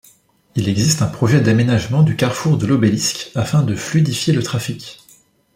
Il existe un projet d’aménagement du carrefour de l’obélisque, afin de fluidifier le trafic.